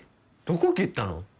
どこ切ったの？